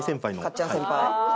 かっちゃん先輩。